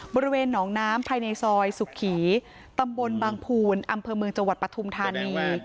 บริเวณหนองน้ำภายในซอยสุขีตำบลบางภูลอำเภอเมืองจังหวัดปฐุมธานี